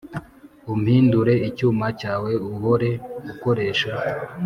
Umpindure icyuma cyawe uhore ukoresha